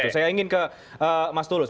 saya ingin ke mas tulus